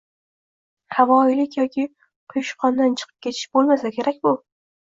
Havoyilik yoki quyushqondan chiqib ketish bo‘lmasa kerak bu.